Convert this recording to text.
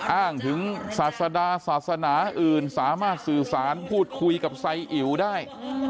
อ้างถึงศาสดาศาสนาอื่นสามารถสื่อสารพูดคุยกับไซอิ๋วได้